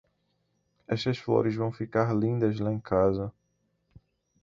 Estas flores vão ficar lindas lá em casa.